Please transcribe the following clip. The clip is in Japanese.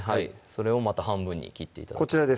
それをまた半分に切って頂きます